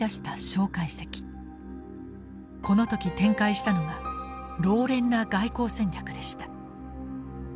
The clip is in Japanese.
この時展開したのが老練な外交戦略でした。